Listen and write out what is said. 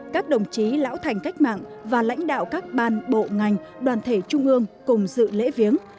các đồng chí lão thành cách mạng và lãnh đạo các ban bộ ngành đoàn thể trung ương cùng dự lễ viếng